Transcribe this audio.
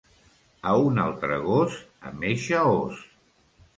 A un altre gos amb eixe os.